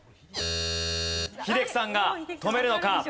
英樹さんが止めるのか？